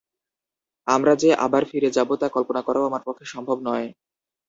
আমরা যে আবার ফিরে যাব, তা কল্পনা করাও আমার পক্ষে সম্ভব নয়।